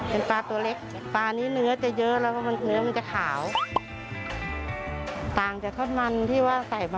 ปลาน้ำสดไม้จากเร